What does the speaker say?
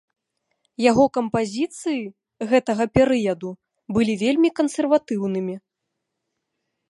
Яго кампазіцыі гэтага перыяду былі вельмі кансерватыўнымі.